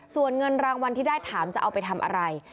ส่วนเงินรางวัลที่ได้ถามจะเอาไปทำอะไร